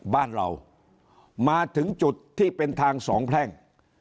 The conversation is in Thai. บ้านเรามาถึงจุดที่เป็นทางสองแพร่ง